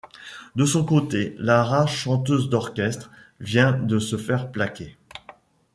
De son côté, Lara, chanteuse d'orchestre, vient de se faire plaquer.